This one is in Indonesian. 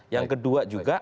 yang kedua juga